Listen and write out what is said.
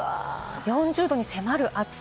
４０℃に迫る暑さ。